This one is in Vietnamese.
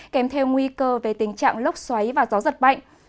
kèm theo nguy cơ về tình trạng lốc xoáy và gió giật mạnh